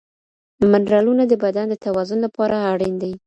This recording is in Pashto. منرالونه د بدن د توازن لپاره اړین دي.